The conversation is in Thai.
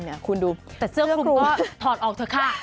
แต่เสื้อกลุมก็ทอดค่ะ